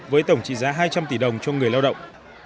với tổng trị giá hai trăm linh tỷ đồng cho người lao động